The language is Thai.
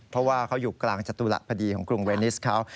เพราะว่าเขาอยู่กลางจตุระพอดีของกรุงเวนิสเขา